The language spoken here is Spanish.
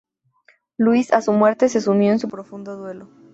Luis a su muerte se sumió en un profundo duelo.